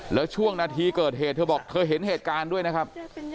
แล้วช่วงนาทีเกิดเหตุเธอบอกเธอเห็นเหตุการณ์ด้วยนะครับ